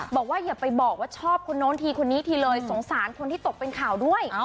อย่าไปบอกว่าชอบคนโน้นทีคนนี้ทีเลยสงสารคนที่ตกเป็นข่าวด้วย